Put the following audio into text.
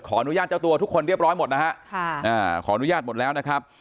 อนุญาตเจ้าตัวทุกคนเรียบร้อยหมดนะฮะขออนุญาตหมดแล้วนะครับ